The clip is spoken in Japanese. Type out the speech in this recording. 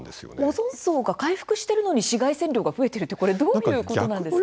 オゾン層が回復してるのに紫外線量が増えてるってこれどういうことなんですか？